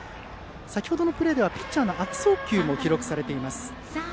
先程のプレーではピッチャーの悪送球も記録されています。